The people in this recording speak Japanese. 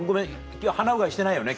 今日鼻うがいしてないよね？